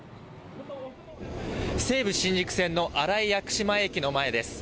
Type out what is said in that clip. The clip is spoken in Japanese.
西武新宿線の新井薬師前駅の前です。